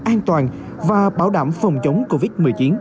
an toàn và bảo đảm phòng chống covid một mươi chín